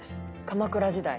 鎌倉時代。